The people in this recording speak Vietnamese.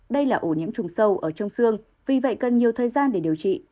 đây là ổ nhiễm trùng sâu ở trong xương vì vậy cần nhiều thời gian để điều trị